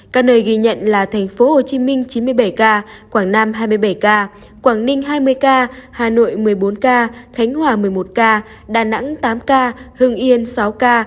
các nơi ghi nhận là thành phố hồ chí minh chín mươi bảy ca quảng nam hai mươi bảy ca quảng ninh hai mươi ca hà nội một mươi bốn ca khánh hòa một mươi một ca đà nẵng tám ca hương yên sáu ca